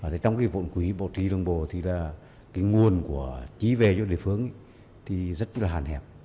theo thống kê sơ bộ đợt mưa lũ hư hỏng xuống cấp do thiên tài gây ra